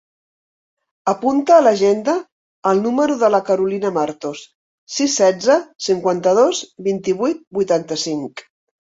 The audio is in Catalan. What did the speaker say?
Apunta a l'agenda el número de la Carolina Martos: sis, setze, cinquanta-dos, vint-i-vuit, vuitanta-cinc.